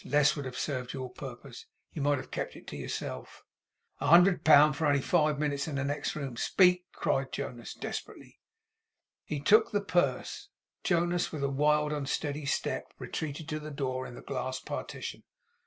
Less would have served your purpose. You might have kept it to yourself.' 'A hundred pound for only five minutes in the next room! Speak!' cried Jonas, desperately. He took the purse. Jonas, with a wild unsteady step, retreated to the door in the glass partition.